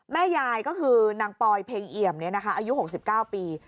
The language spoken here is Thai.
แม่ยายก็คือนางปลอยเพย์เยี่ยมนี่นะคะอายุ๖๙ปี